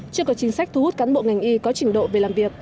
chưa có chính sách thu hút cán bộ ngành y có trình độ về làm việc